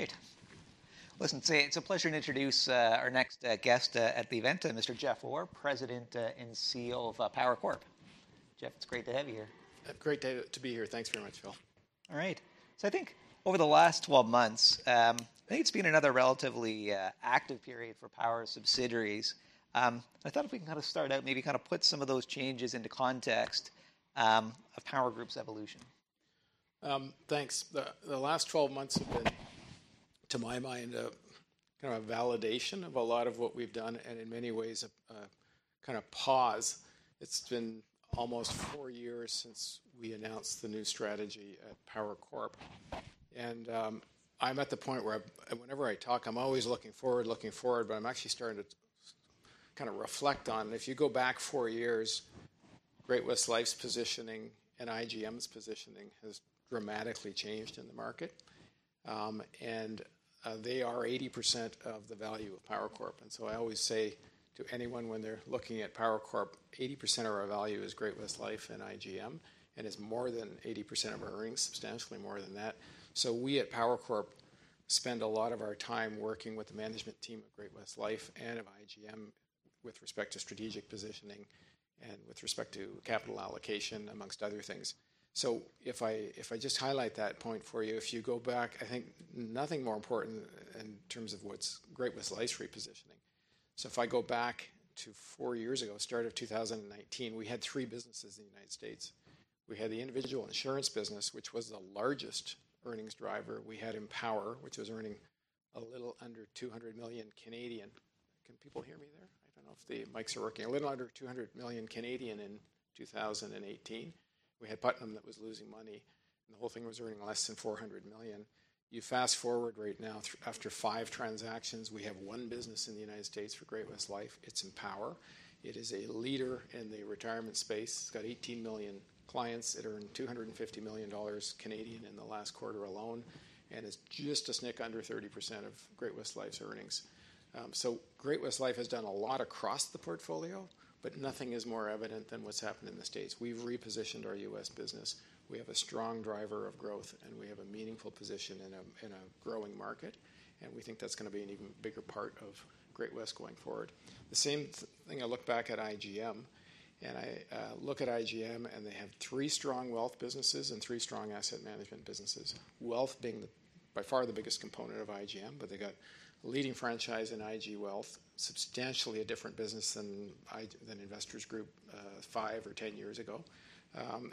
All right. Listen, it's a pleasure to introduce our next guest at the event, Mr. Jeff Orr, President and CEO of Power Corporation. Jeff, it's great to have you here. Great to be here. Thanks very much, Phil. All right. So I think over the last 12 months, I think it's been another relatively active period for Power subsidiaries. I thought if we can kind of start out, maybe kind of put some of those changes into context of Power Group's evolution. Thanks. The last 12 months have been, to my mind, kind of a validation of a lot of what we've done and in many ways a kind of pause. It's been almost four years since we announced the new strategy at Power Corporation. I'm at the point where whenever I talk, I'm always looking forward, looking forward, but I'm actually starting to kind of reflect on, if you go back four years, Great-West Lifeco's positioning and IGM's positioning has dramatically changed in the market. They are 80% of the value of Power Corporation. So I always say to anyone when they're looking at Power Corporation, 80% of our value is Great-West Lifeco and IGM, and it's more than 80% of our earnings, substantially more than that. So we at Power Corporation spend a lot of our time working with the management team of Great-West Lifeco and of IGM with respect to strategic positioning and with respect to capital allocation, among other things. So if I just highlight that point for you, if you go back, I think nothing more important in terms of what's Great-West Lifeco's repositioning. So if I go back to four years ago, start of 2019, we had three businesses in the United States. We had the individual insurance business, which was the largest earnings driver. We had Empower, which was earning a little under 200 million. Can people hear me there? I don't know if the mics are working. A little under 200 million in 2018. We had Putnam that was losing money, and the whole thing was earning less than 400 million. You fast forward right now, after five transactions. We have one business in the United States for Great-West Lifeco. It's Empower. It is a leader in the retirement space. It's got 18 million clients. It earned 250 million Canadian dollars in the last quarter alone and is just a smidge under 30% of Great-West Lifeco's earnings. So Great-West Lifeco has done a lot across the portfolio, but nothing is more evident than what's happened in the States. We've repositioned our U.S. business. We have a strong driver of growth, and we have a meaningful position in a growing market. And we think that's going to be an even bigger part of Great-West Lifeco going forward. The same thing. I look back at IGM, and I look at IGM, and they have three strong wealth businesses and three strong asset management businesses. Wealth being by far the biggest component of IGM, but they've got a leading franchise in IG Wealth, substantially a different business than Investors Group five or ten years ago.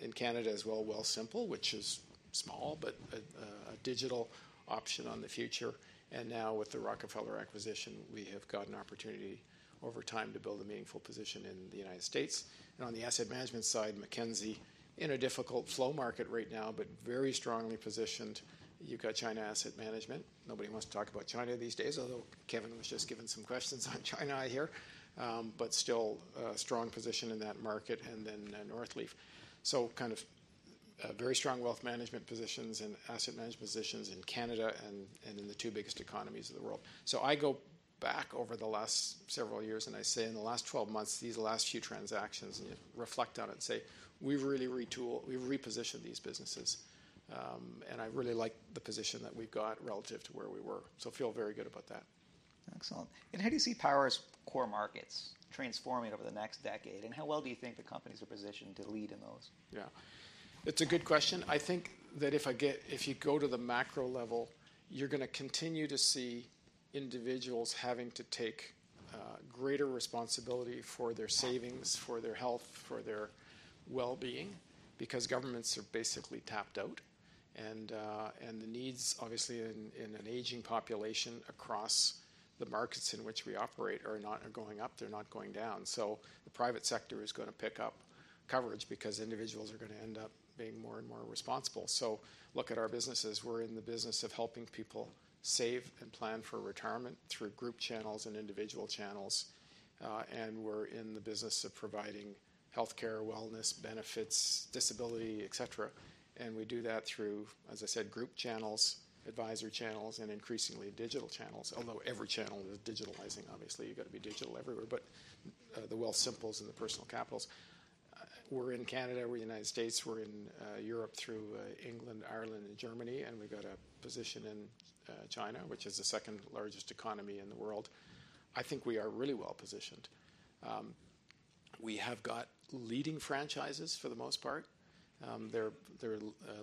In Canada as well, Wealthsimple, which is small, but a digital option on the future. And now with the Rockefeller acquisition, we have got an opportunity over time to build a meaningful position in the United States. And on the asset management side, Mackenzie in a difficult flow market right now, but very strongly positioned. You've got China Asset Management. Nobody wants to talk about China these days, although Kevin was just given some questions on China here. But still a strong position in that market. And then Northleaf. So kind of very strong wealth management positions and asset management positions in Canada and in the two biggest economies of the world. So I go back over the last several years, and I say in the last 12 months, these last few transactions, and you reflect on it and say, we've really repositioned these businesses, and I really like the position that we've got relative to where we were, so I feel very good about that. Excellent. And how do you see Power's core markets transforming over the next decade? And how well do you think the companies are positioned to lead in those? Yeah. It's a good question. I think that if you go to the macro level, you're going to continue to see individuals having to take greater responsibility for their savings, for their health, for their well-being, because governments are basically tapped out. And the needs, obviously, in an aging population across the markets in which we operate are not going up. They're not going down. So the private sector is going to pick up coverage because individuals are going to end up being more and more responsible. So look at our businesses. We're in the business of helping people save and plan for retirement through group channels and individual channels. And we're in the business of providing healthcare, wellness, benefits, disability, et cetera. And we do that through, as I said, group channels, advisory channels, and increasingly digital channels. Although every channel is digitalizing, obviously. You've got to be digital everywhere. But the Wealthsimple and the Personal Capital. We're in Canada. We're in the United States. We're in Europe through England, Ireland, and Germany. And we've got a position in China, which is the second largest economy in the world. I think we are really well positioned. We have got leading franchises for the most part. They're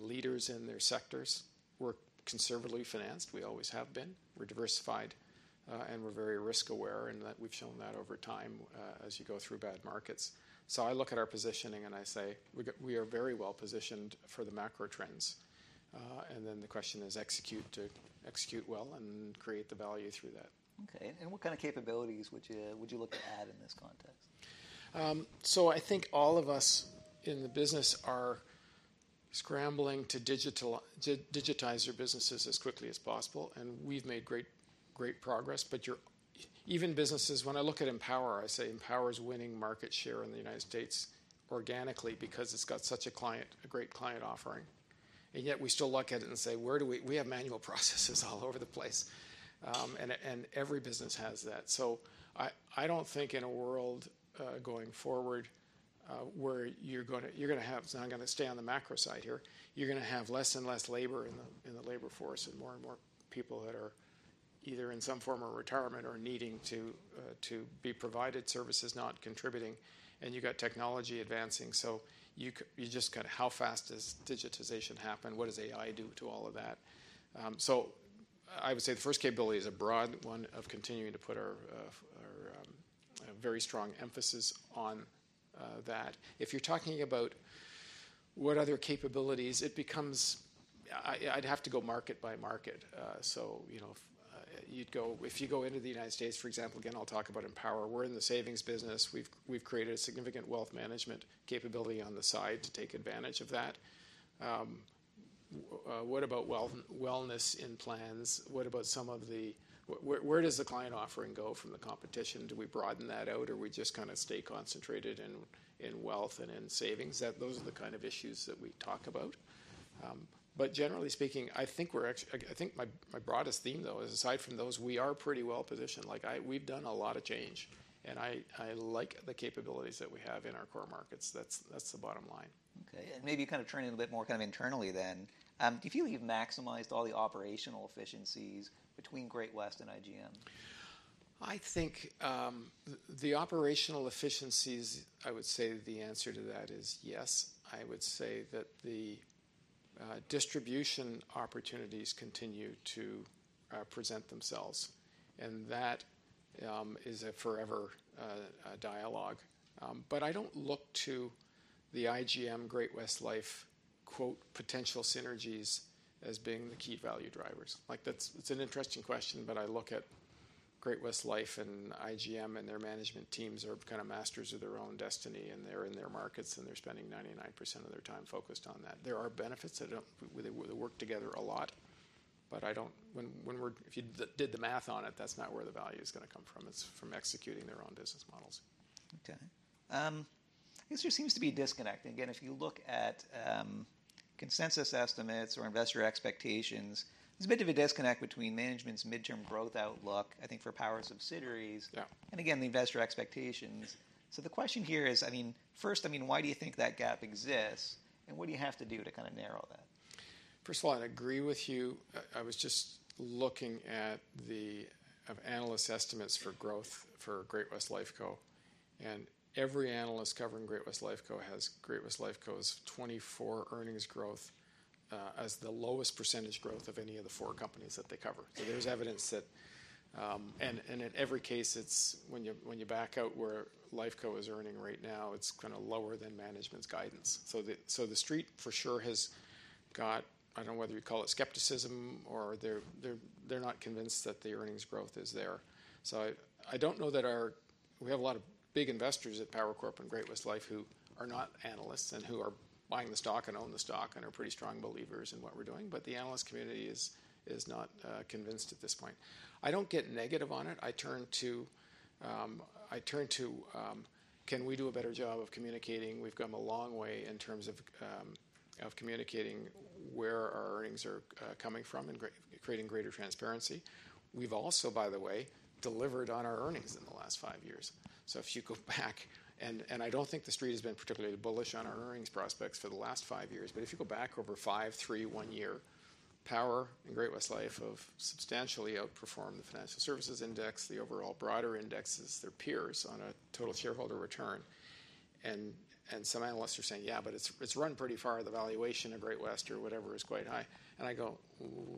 leaders in their sectors. We're conservatively financed. We always have been. We're diversified, and we're very risk-aware. And we've shown that over time as you go through bad markets. So I look at our positioning and I say we are very well positioned for the macro trends. And then the question is execute well and create the value through that. Okay. And what kind of capabilities would you look to add in this context? So I think all of us in the business are scrambling to digitize their businesses as quickly as possible. And we've made great progress. But even businesses, when I look at Empower, I say Empower is winning market share in the United States organically because it's got such a great client offering. And yet we still look at it and say, where do we? We have manual processes all over the place. And every business has that. So I don't think in a world going forward where you're going to have, it's not going to stay on the macro side here, you're going to have less and less labor in the labor force and more and more people that are either in some form of retirement or needing to be provided services, not contributing. And you've got technology advancing. So you just kind of, how fast does digitization happen? What does AI do to all of that? So I would say the first capability is a broad one of continuing to put our very strong emphasis on that. If you're talking about what other capabilities, it becomes, I'd have to go market by market. So if you go into the United States, for example, again, I'll talk about Empower. We're in the savings business. We've created a significant wealth management capability on the side to take advantage of that. What about wellness in plans? What about some of the, where does the client offering go from the competition? Do we broaden that out or we just kind of stay concentrated in wealth and in savings? Those are the kind of issues that we talk about. But generally speaking, I think we're actually, I think my broadest theme though is aside from those, we are pretty well positioned. We've done a lot of change, and I like the capabilities that we have in our core markets. That's the bottom line. Okay. And maybe you kind of turn in a bit more kind of internally, then. Do you feel you've maximized all the operational efficiencies between Great-West and IGM? I think the operational efficiencies, I would say the answer to that is yes. I would say that the distribution opportunities continue to present themselves. And that is a forever dialogue. But I don't look to the IGM, Great-West Lifeco, "potential synergies" as being the key value drivers. It's an interesting question, but I look at Great-West Lifeco and IGM and their management teams are kind of masters of their own destiny and they're in their markets and they're spending 99% of their time focused on that. There are benefits that work together a lot. But when you did the math on it, that's not where the value is going to come from. It's from executing their own business models. Okay. I guess there seems to be a disconnect. Again, if you look at consensus estimates or investor expectations, there's a bit of a disconnect between management's midterm growth outlook, I think, for Power subsidiaries. And again, the investor expectations. So the question here is, I mean, first, I mean, why do you think that gap exists? And what do you have to do to kind of narrow that? First of all, I agree with you. I was just looking at the analyst estimates for growth for Great-West Lifeco. And every analyst covering Great-West Lifeco has Great-West Lifeco's 2024 earnings growth as the lowest percentage growth of any of the four companies that they cover. So there's evidence that, and in every case, it's when you back out where Lifeco is earning right now, it's kind of lower than management's guidance. So the Street for sure has got, I don't know whether you call it skepticism or they're not convinced that the earnings growth is there. So I don't know that our, we have a lot of big investors at Power Corporation and Great-West Lifeco who are not analysts and who are buying the stock and own the stock and are pretty strong believers in what we're doing. But the analyst community is not convinced at this point. I don't get negative on it. I turn to, can we do a better job of communicating? We've come a long way in terms of communicating where our earnings are coming from and creating greater transparency. We've also, by the way, delivered on our earnings in the last five years. So if you go back, and I don't think the Street has been particularly bullish on our earnings prospects for the last five years. But if you go back over five, three, one year, Power and Great-West Lifeco have substantially outperformed the financial services index, the overall broader indexes, their peers on a total shareholder return. And some analysts are saying, yeah, but it's run pretty far. The valuation of Great-West Lifeco or whatever is quite high. And I go,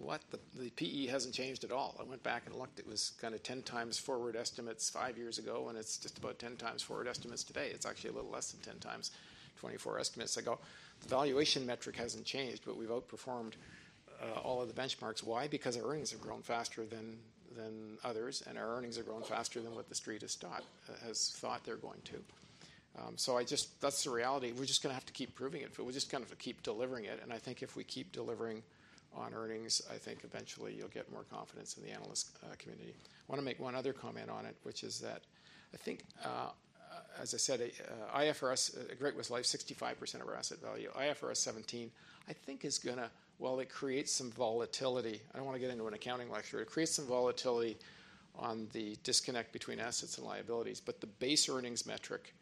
what? The PE hasn't changed at all. I went back and looked. It was kind of 10 times forward estimates five years ago, and it's just about 10 times forward estimates today. It's actually a little less than 10 times 2024 estimates. I go, the valuation metric hasn't changed, but we've outperformed all of the benchmarks. Why? Because our earnings have grown faster than others, and our earnings have grown faster than what the Street has thought they're going to. So I just, that's the reality. We're just going to have to keep proving it. We'll just kind of keep delivering it. And I think if we keep delivering on earnings, I think eventually you'll get more confidence in the analyst community. I want to make one other comment on it, which is that I think, as I said, IFRS, Great-West Lifeco, 65% of our asset value, IFRS 17, I think is going to, well, it creates some volatility. I don't want to get into an accounting lecture. It creates some volatility on the disconnect between assets and liabilities. But the base earnings metric,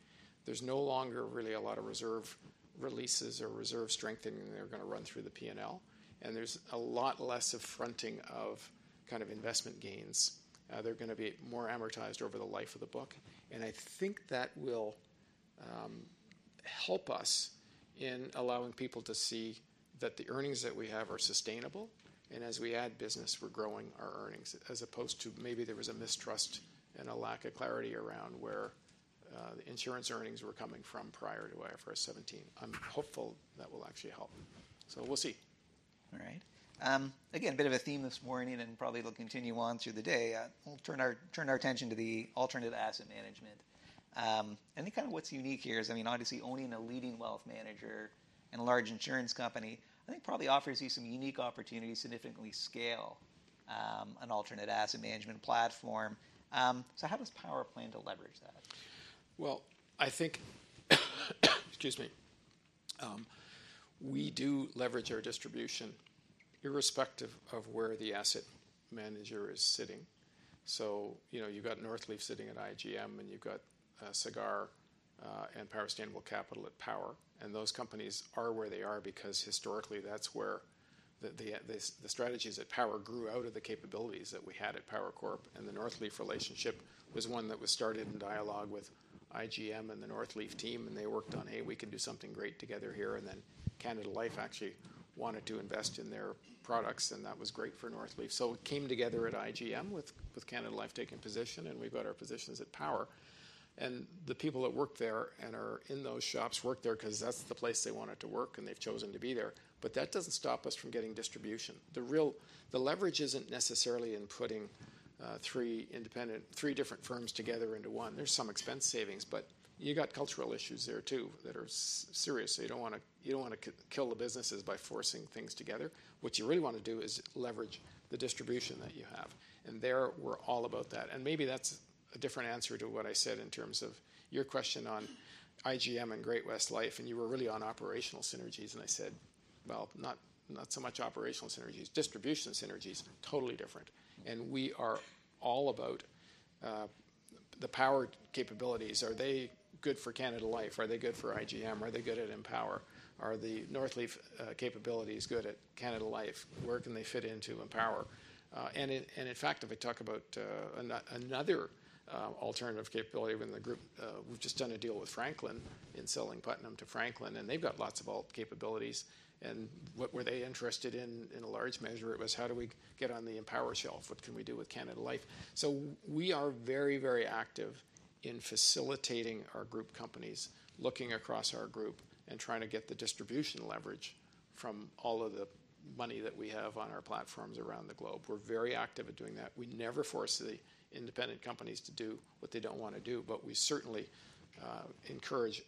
there's no longer really a lot of reserve releases or reserve strengthening that are going to run through the P&L. And there's a lot less of fronting of kind of investment gains. They're going to be more amortized over the life of the book. And I think that will help us in allowing people to see that the earnings that we have are sustainable. As we add business, we're growing our earnings as opposed to maybe there was a mistrust and a lack of clarity around where the insurance earnings were coming from prior to IFRS 17. I'm hopeful that will actually help. We'll see. All right. Again, a bit of a theme this morning and probably it'll continue on through the day. We'll turn our attention to the alternative asset management. And kind of what's unique here is, I mean, obviously owning a leading wealth manager and a large insurance company, I think probably offers you some unique opportunities to significantly scale an alternative asset management platform. So how does Power plan to leverage that? I think we do leverage our distribution irrespective of where the asset manager is sitting. So you've got Northleaf sitting at IGM, and you've got Sagard and Power Sustainable Capital at Power. Those companies are where they are because historically that's where the strategies at Power grew out of the capabilities that we had at Power Corporation. The Northleaf relationship was one that was started in dialogue with IGM and the Northleaf team. They worked on, hey, we can do something great together here. Then Canada Life actually wanted to invest in their products. That was great for Northleaf, so it came together at IGM with Canada Life taking position. We've got our positions at Power. The people that work there and are in those shops work there because that's the place they want it to work. They've chosen to be there. But that doesn't stop us from getting distribution. The leverage isn't necessarily in putting three different firms together into one. There's some expense savings. But you've got cultural issues there too that are serious. So you don't want to kill the businesses by forcing things together. What you really want to do is leverage the distribution that you have. And there we're all about that. And maybe that's a different answer to what I said in terms of your question on IGM and Great-West Lifeco. And you were really on operational synergies. And I said, well, not so much operational synergies. Distribution synergies are totally different. And we are all about the Power capabilities. Are they good for Canada Life? Are they good for IGM? Are they good at Empower? Are the Northleaf capabilities good at Canada Life? Where can they fit into Empower? And in fact, if I talk about another alternative capability within the group, we've just done a deal with Franklin in selling Putnam to Franklin. And they've got lots of capabilities. And what were they interested in in a large measure? It was how do we get on the Empower shelf? What can we do with Canada Life? So we are very, very active in facilitating our group companies, looking across our group and trying to get the distribution leverage from all of the money that we have on our platforms around the globe. We're very active at doing that. We never force the independent companies to do what they don't want to do. But we certainly encourage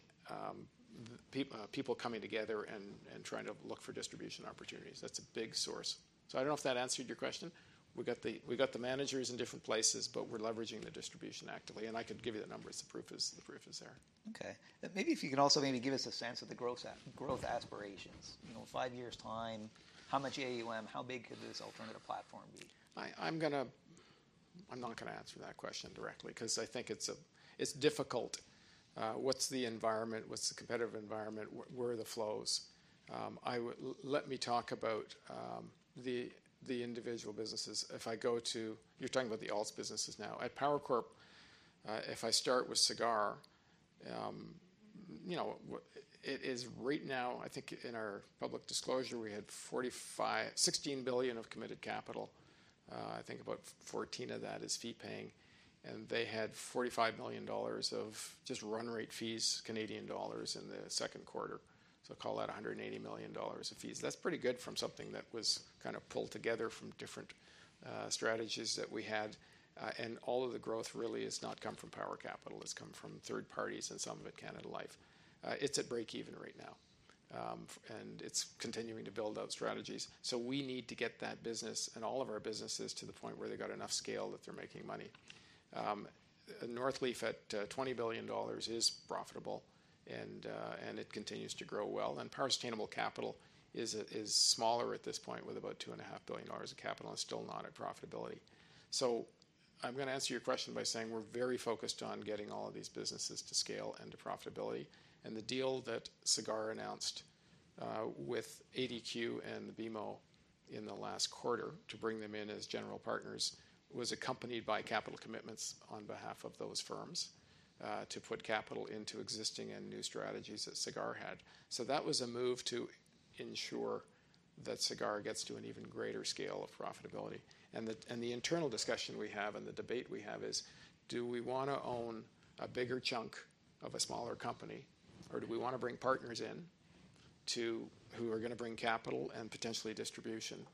people coming together and trying to look for distribution opportunities. That's a big source. So I don't know if that answered your question. We've got the managers in different places, but we're leveraging the distribution actively, and I could give you the numbers. The proof is there. Okay. Maybe if you can also maybe give us a sense of the growth aspirations? Five years' time, how much AUM? How big could this alternative platform be? I'm going to. I'm not going to answer that question directly because I think it's difficult. What's the environment? What's the competitive environment? Where are the flows? Let me talk about the individual businesses. If I go to, you're talking about all the businesses now. At Power Corporation, if I start with Sagard, you know, it is right now. I think in our public disclosure, we had 16 billion of committed capital. I think about 14 of that is fee-paying, and they had 45 million dollars of just run rate fees, Canadian dollars in the second quarter. So call that 180 million dollars of fees. That's pretty good from something that was kind of pulled together from different strategies that we had, and all of the growth really has not come from Power capital. It's come from third parties and some of it Canada Life. It's at break-even right now. And it's continuing to build out strategies. So we need to get that business and all of our businesses to the point where they've got enough scale that they're making money. Northleaf at 20 billion dollars is profitable. And it continues to grow well. And Power Sustainable Capital is smaller at this point with about 2.5 billion dollars of capital and still not at profitability. So I'm going to answer your question by saying we're very focused on getting all of these businesses to scale and to profitability. And the deal that Sagard announced with ADQ and BMO in the last quarter to bring them in as general partners was accompanied by capital commitments on behalf of those firms to put capital into existing and new strategies that Sagard had. So that was a move to ensure that Sagard gets to an even greater scale of profitability. The internal discussion we have and the debate we have is, do we want to own a bigger chunk of a smaller company? Or do we want to bring partners in who are going to bring capital and potentially distribution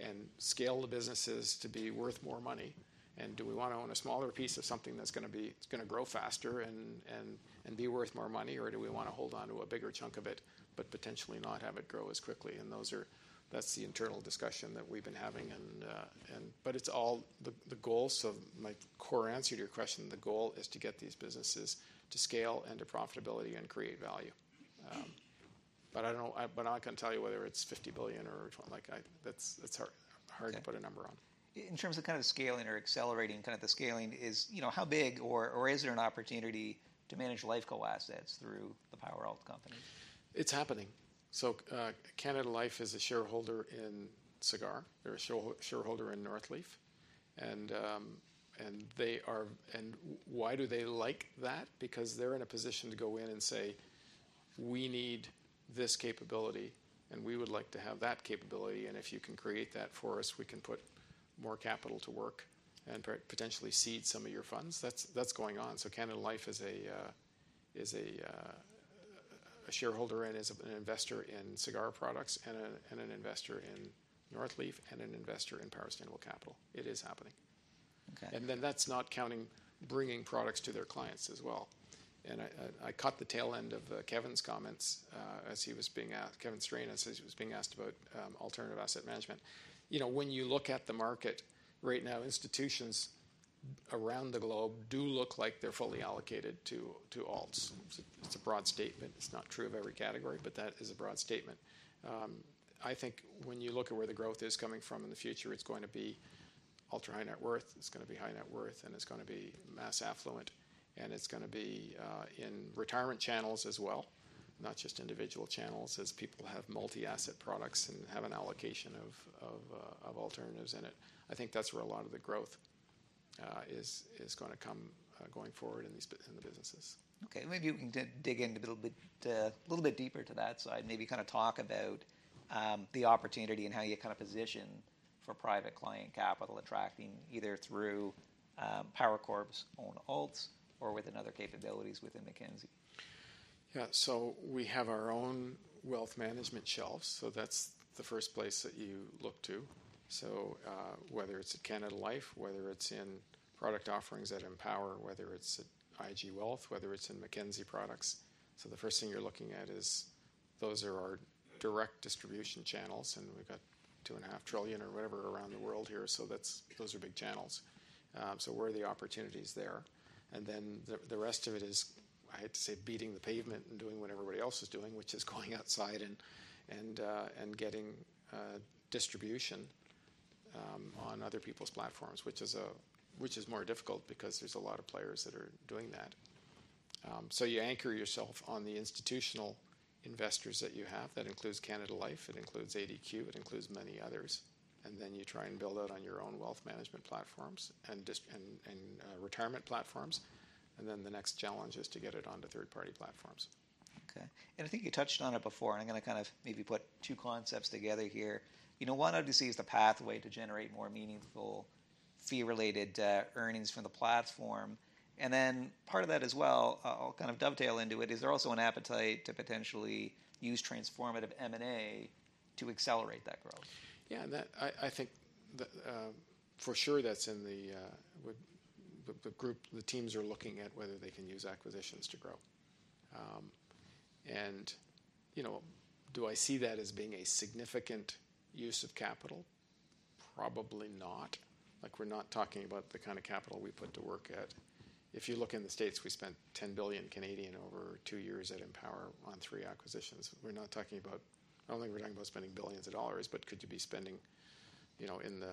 and scale the businesses to be worth more money? And do we want to own a smaller piece of something that's going to grow faster and be worth more money? Or do we want to hold on to a bigger chunk of it, but potentially not have it grow as quickly? And that's the internal discussion that we've been having. But it's all the goal. So my core answer to your question, the goal is to get these businesses to scale and to profitability and create value. But I'm not going to tell you whether it's 50 billion or like that's hard to put a number on. In terms of kind of scaling or accelerating, kind of the scaling is, you know, how big or is there an opportunity to manage Lifeco assets through the Power alt company? It's happening. So Canada Life is a shareholder in Sagard. They're a shareholder in Northleaf, and why do they like that? Because they're in a position to go in and say, we need this capability and we would like to have that capability, and if you can create that for us, we can put more capital to work and potentially seed some of your funds. That's going on, so Canada Life is a shareholder and is an investor in Sagard products and an investor in Northleaf and an investor in Power Sustainable Capital. It is happening, and then that's not counting bringing products to their clients as well, and I caught the tail end of Kevin's comments as he was being asked. Kevin Strain says he was being asked about alternative asset management. You know, when you look at the market right now, institutions around the globe do look like they're fully allocated to alts. It's a broad statement. It's not true of every category, but that is a broad statement. I think when you look at where the growth is coming from in the future, it's going to be ultra high net worth. It's going to be high net worth and it's going to be mass affluent, and it's going to be in retirement channels as well, not just individual channels as people have multi-asset products and have an allocation of alternatives in it. I think that's where a lot of the growth is going to come going forward in the businesses. Okay. Maybe you can dig in a little bit deeper to that side. Maybe kind of talk about the opportunity and how you kind of position for private client capital attracting either through Power Corporation's own alts or within other capabilities within Mackenzie. Yeah. So we have our own wealth management shelves. So that's the first place that you look to. So whether it's at Canada Life, whether it's in product offerings at Empower, whether it's at IG Wealth, whether it's in Mackenzie products. So the first thing you're looking at is those are our direct distribution channels. And we've got 2.5 trillion or whatever around the world here. So those are big channels. So where are the opportunities there? And then the rest of it is, I hate to say, beating the pavement and doing what everybody else is doing, which is going outside and getting distribution on other people's platforms, which is more difficult because there's a lot of players that are doing that. So you anchor yourself on the institutional investors that you have. That includes Canada Life. It includes ADQ. It includes many others. Then you try and build out on your own wealth management platforms and retirement platforms. Then the next challenge is to get it onto third-party platforms. Okay. And I think you touched on it before. And I'm going to kind of maybe put two concepts together here. You know, one obviously is the pathway to generate more meaningful fee-related earnings from the platform. And then part of that as well, I'll kind of dovetail into it, is there also an appetite to potentially use transformative M&A to accelerate that growth? Yeah. And I think for sure that's in the group, the teams are looking at whether they can use acquisitions to grow. And you know, do I see that as being a significant use of capital? Probably not. Like we're not talking about the kind of capital we put to work at. If you look in the States, we spent 10 billion over two years at Empower on three acquisitions. We're not talking about, I don't think we're talking about spending billions of dollars, but could you be spending, you know, in the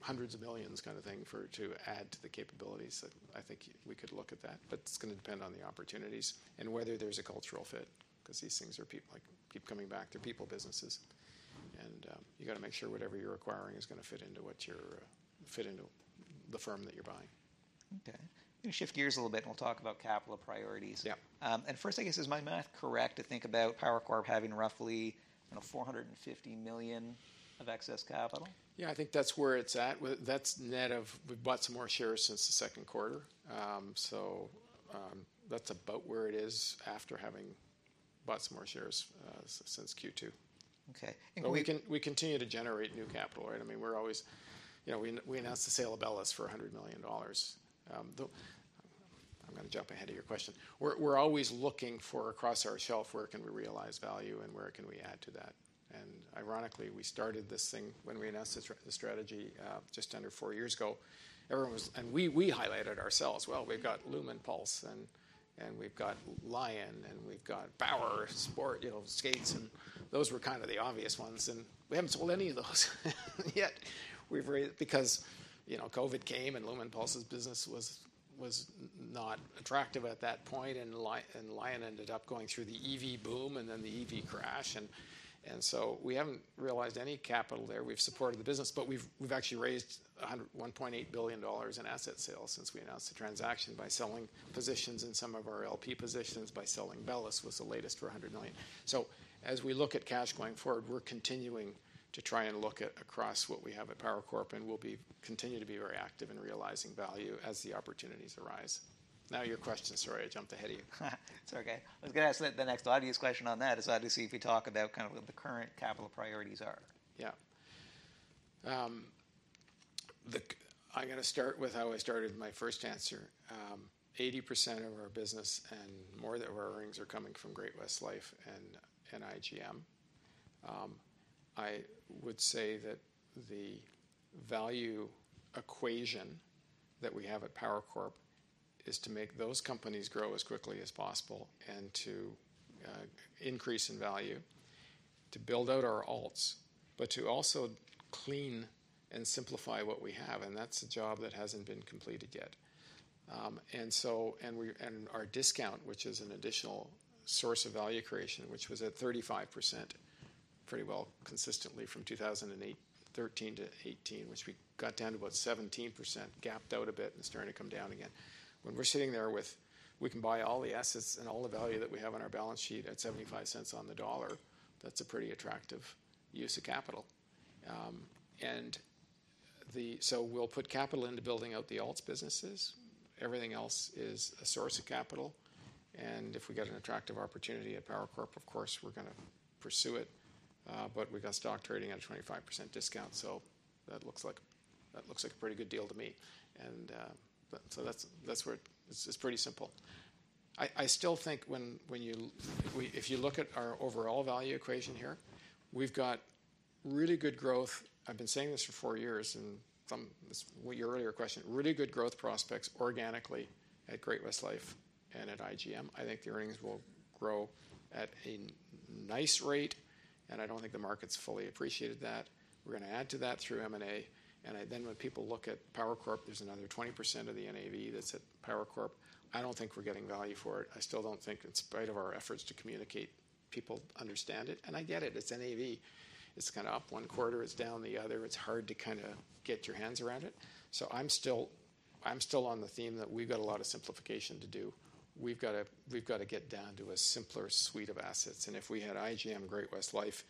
hundreds of millions kind of thing to add to the capabilities? I think we could look at that. But it's going to depend on the opportunities and whether there's a cultural fit because these things are people like keep coming back to people businesses. And you got to make sure whatever you're acquiring is going to fit into what you're fit into the firm that you're buying. Okay. I'm going to shift gears a little bit and we'll talk about capital priorities. And first, I guess, is my math correct to think about Power Corporation having roughly 450 million of excess capital? Yeah. I think that's where it's at. That's net of we bought some more shares since the second quarter. So that's about where it is after having bought some more shares since Q2. Okay. But we continue to generate new capital, right? I mean, we're always, you know, we announced the sale of BELLUS for 100 million dollars. I'm going to jump ahead of your question. We're always looking for across our shelf, where can we realize value and where can we add to that? And ironically, we started this thing when we announced the strategy just under four years ago. And we highlighted ourselves. Well, we've got Lumenpulse and we've got Lion and we've got Bauer, you know, skates. And those were kind of the obvious ones. And we haven't sold any of those yet because, you know, COVID came and Lumenpulse's business was not attractive at that point. And Lion ended up going through the EV boom and then the EV crash. And so we haven't realized any capital there. We've supported the business, but we've actually raised 1.8 billion dollars in asset sales since we announced the transaction by selling positions in some of our LP positions by selling BELLUS, which was the latest for 100 million. So as we look at cash going forward, we're continuing to try and look at across what we have at Power Corporation and we'll continue to be very active in realizing value as the opportunities arise. Now your question, sorry, I jumped ahead of you. It's okay. I was going to ask the next obvious question on that, is obviously if we talk about kind of what the current capital priorities are. Yeah. I'm going to start with how I started my first answer. 80% of our business and more of our earnings are coming from Great-West Lifeco and IGM. I would say that the value equation that we have at Power Corporation is to make those companies grow as quickly as possible and to increase in value, to build out our alts, but to also clean and simplify what we have. And that's a job that hasn't been completed yet. And so our discount, which is an additional source of value creation, which was at 35% pretty well consistently from 2013 to 2018, which we got down to about 17%, gapped out a bit and starting to come down again. When we're sitting there, we can buy all the assets and all the value that we have on our balance sheet at 0.75 on the dollar. That's a pretty attractive use of capital. And so we'll put capital into building out the alts businesses. Everything else is a source of capital. And if we get an attractive opportunity at Power Corporation, of course, we're going to pursue it. But we got stock trading at a 25% discount. So that looks like a pretty good deal to me. And so that's where it's pretty simple. I still think when you, if you look at our overall value equation here, we've got really good growth. I've been saying this for four years and your earlier question, really good growth prospects organically at Great-West Lifeco and at IGM. I think the earnings will grow at a nice rate. And I don't think the market's fully appreciated that. We're going to add to that through M&A. And then when people look at Power Corporation, there's another 20% of the NAV that's at Power Corporation. I don't think we're getting value for it. I still don't think in spite of our efforts to communicate, people understand it. And I get it. It's NAV. It's kind of up one quarter. It's down the other. It's hard to kind of get your hands around it. So I'm still on the theme that we've got a lot of simplification to do. We've got to get down to a simpler suite of assets. And if we had IGM, Great-West Lifeco,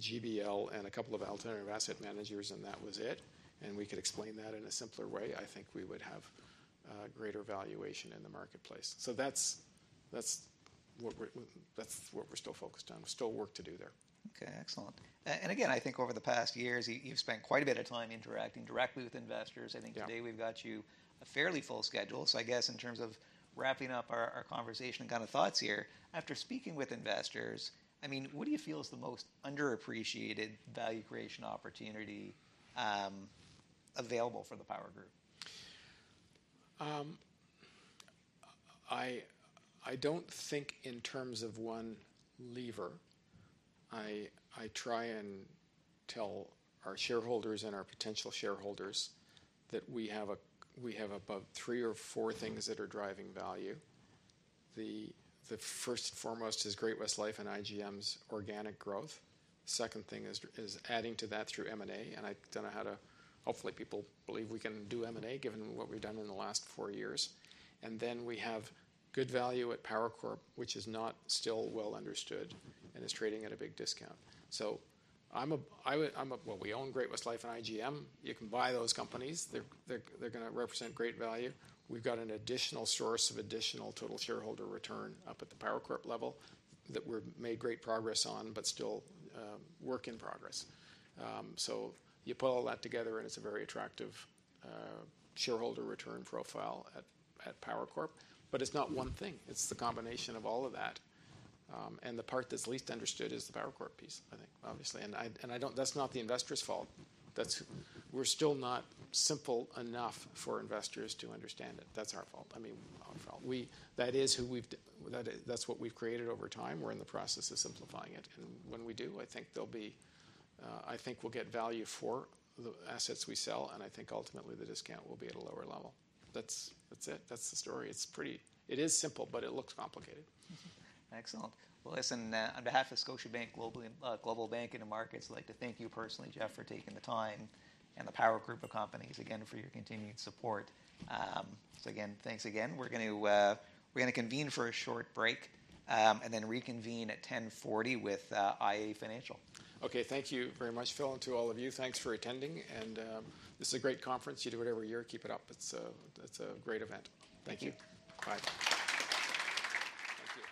GBL, and a couple of alternative asset managers and that was it, and we could explain that in a simpler way, I think we would have greater valuation in the marketplace. So that's what we're still focused on. Still work to do there. Okay. Excellent. And again, I think over the past years, you've spent quite a bit of time interacting directly with investors. I think today we've got you a fairly full schedule. So I guess in terms of wrapping up our conversation and kind of thoughts here, after speaking with investors, I mean, what do you feel is the most underappreciated value creation opportunity available for the Power Group? I don't think in terms of one lever. I try and tell our shareholders and our potential shareholders that we have about three or four things that are driving value. The first and foremost is Great-West Lifeco and IGM's organic growth. The second thing is adding to that through M&A. And I don't know how to hopefully people believe we can do M&A given what we've done in the last four years. And then we have good value at Power Corporation, which is not still well understood and is trading at a big discount. So, well, we own Great-West Lifeco and IGM. You can buy those companies. They're going to represent great value. We've got an additional source of additional total shareholder return up at the Power Corporation level that we've made great progress on, but still work in progress. You put all that together and it's a very attractive shareholder return profile at Power Corporation. But it's not one thing. It's the combination of all of that. The part that's least understood is the Power Corporation piece, I think, obviously. That's not the investor's fault. We're still not simple enough for investors to understand it. That's our fault. I mean, our fault. That is who we've, that's what we've created over time. We're in the process of simplifying it. When we do, I think there'll be, I think we'll get value for the assets we sell. I think ultimately the discount will be at a lower level. That's it. That's the story. It's pretty, it is simple, but it looks complicated. Excellent. Well, listen, on behalf of Scotiabank Global Banking and Markets, I'd like to thank you personally, Jeff, for taking the time and the Power Group of companies again for your continued support. So again, thanks again. We're going to convene for a short break and then reconvene at 10:40 A.M. with iA Financial. Okay. Thank you very much, Phil, and to all of you. Thanks for attending. And this is a great conference. You do whatever you're, keep it up. It's a great event. Thank you. Bye.